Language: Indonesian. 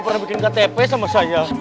mana sih menikah app sama saya